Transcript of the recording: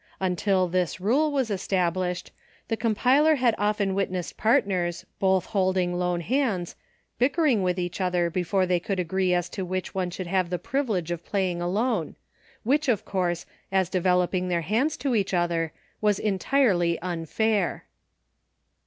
Until this rule was established, the compiler had often wit nessed partners, both holding lone hands, bickering with each other before they could agree as to which one should have the privi PLAYING ALONE. 49 lege of Playing Alone, which, of course, as developing their hands to each other, was en tirely unfair.